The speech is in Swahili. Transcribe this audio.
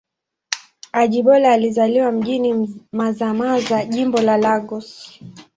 Ajibola alizaliwa mjini Mazamaza, Jimbo la Lagos.